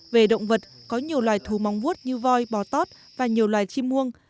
về động vật có nhiều loài thú móng vuốt như voi bò tót và nhiều loài chim muông